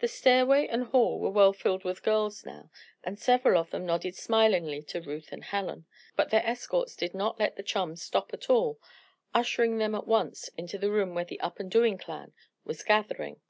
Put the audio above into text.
The stairway and hall were well filled with girls now, and several of them nodded smilingly to Ruth and Helen; but their escorts did not let the chums stop at all, ushering them at once into the room where the Up and Doing clan was gathering.